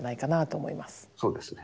そうですね。